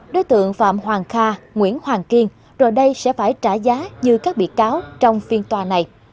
đối tượng phạm hoàng kha nguyễn hoàng kiên rồi đây sẽ phải trả giá như các bị cáo trong phiên tòa này